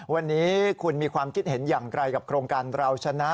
วันนี้คุณมีความคิดเห็นอย่างไรกับโครงการเราชนะ